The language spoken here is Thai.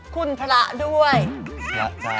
คุณพระด้วย